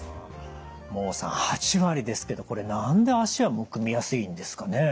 孟さん８割ですけどこれ何で脚はむくみやすいんですかね？